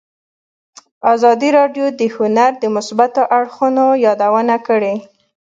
ازادي راډیو د هنر د مثبتو اړخونو یادونه کړې.